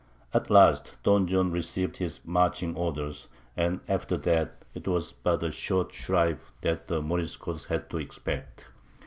At last Don John received his marching orders, and after that, it was but a short shrive that the Moriscos had to expect.